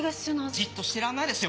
じっとしてらんないですよ